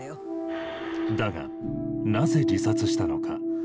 だがなぜ自殺したのか。